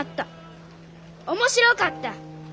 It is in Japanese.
面白かった。